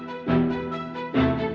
kok ada yang ngebok pak